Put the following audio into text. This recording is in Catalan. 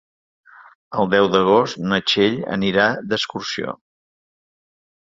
El deu d'agost na Txell anirà d'excursió.